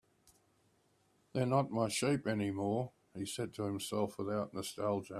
"They're not my sheep anymore," he said to himself, without nostalgia.